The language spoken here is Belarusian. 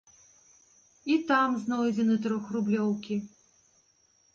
І там знойдзены трохрублёўкі.